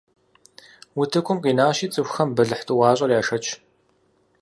Утыкум къинащи, цӀыхухэм бэлыхь тӀуащӀэр яшэч.